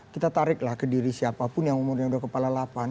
kita tariklah ke diri siapapun yang umurnya sudah kepala delapan